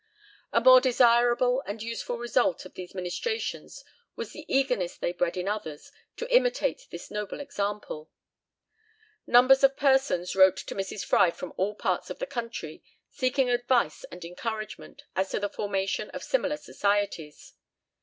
A more desirable and useful result of these ministrations was the eagerness they bred in others to imitate this noble example. Numbers of persons wrote to Mrs. Fry from all parts of the country, seeking advice and encouragement as to the formation of similar societies.